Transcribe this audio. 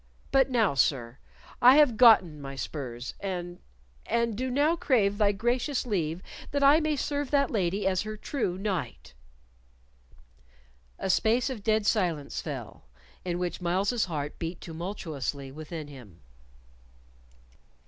But now, sir, I have gotten my spurs, and and do now crave thy gracious leave that I may serve that lady as her true knight." A space of dead silence fell, in which Myles's heart beat tumultuously within him.